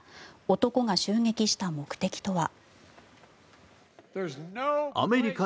男が襲撃した目的とは。